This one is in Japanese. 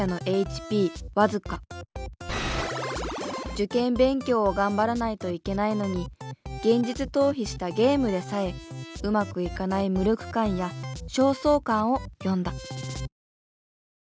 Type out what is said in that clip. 受験勉強を頑張らないといけないのに現実逃避したゲームでさえうまくいかない無力感や焦燥感を詠んだ。